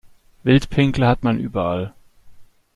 Wildpinkler hat man überall.